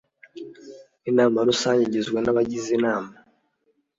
Inama rusange igizwe n abagize inama